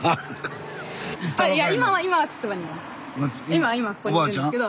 今今ここにいるんですけど。